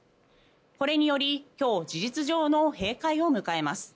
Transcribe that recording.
これにより、今日事実上の閉会を迎えます。